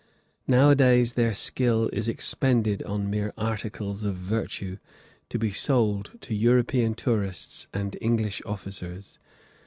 Nowadays their skill is expended on mere articles of virtue, to be sold to European tourists and English officers.